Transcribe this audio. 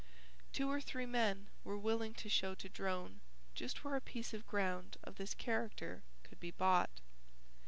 Two or three men were willing to show to Drone just where a piece of ground of this character could be bought.